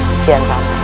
raka kian santa